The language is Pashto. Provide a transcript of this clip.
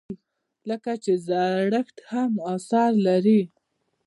لکه چې زړښت هم اثر لري.